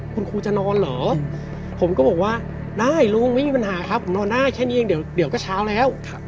คุณครูจะนอนเหรอผมก็บอกว่าได้ลุงไม่มีปัญหาครับผมนอนได้แค่นี้เองเดี๋ยวก็เช้าแล้ว